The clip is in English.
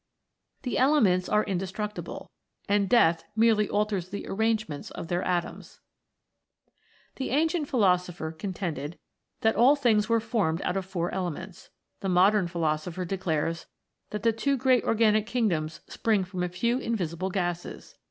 The elements are indestructible, and death merely alters the arrangement of their atoms. The ancient philosopher contended that all things were formed out of four elements : the modern philosopher declares that the two great organic kingdoms spring from a few invisible gases.